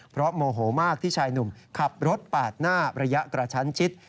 เพราะโมโหมากที่ชายหนุ่มขับรถปาดหน้าระยะกระชั้นชิด